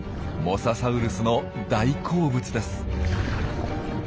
モササウルスの大好物です。